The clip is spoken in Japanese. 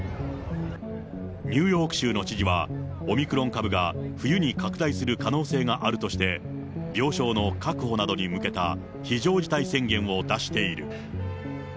ニューヨーク州の知事は、オミクロン株が冬に拡大する可能性があるとして、病床の確保などに向けた非常事態宣言を出している。